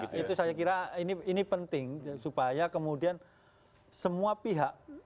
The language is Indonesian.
iya itu saya kira ini penting supaya kemudian semua pihak yang memang ikut tanggung jawab